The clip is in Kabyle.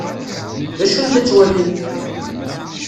D acu ay la ttwalint?